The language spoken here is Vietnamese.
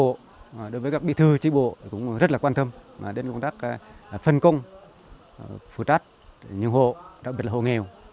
của đảng bộ đối với các vị thư tri bộ cũng rất quan tâm đến công tác phân công phụ trách những hộ đặc biệt là hộ nghèo